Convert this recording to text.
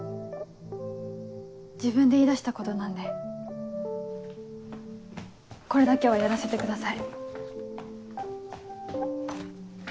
自分で言いだしたことなんでこれだけはやらせてください。